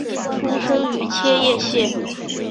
出身于千叶县。